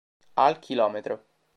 Al km.